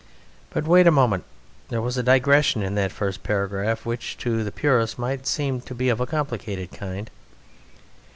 But wait a moment: there was a digression in that first paragraph which to the purist might seem of a complicated kind.